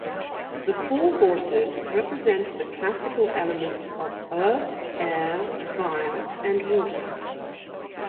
The four horses represent the classical elements of earth, air, fire, and water.